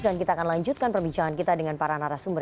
dan kita akan lanjutkan perbincangan kita dengan para narasumber